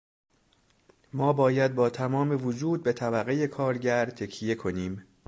ما باید با تمام وجود به طبقهٔ کارگر تکیه کنیم.